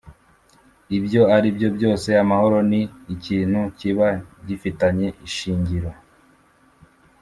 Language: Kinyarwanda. ibyo aribyo byose amahoro ni ikintu kiba gifitanye ishingiro